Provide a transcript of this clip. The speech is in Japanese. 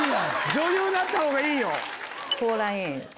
女優になった方がいいよ。